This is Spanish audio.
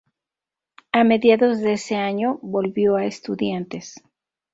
A mediados de ese año, volvió a Estudiantes.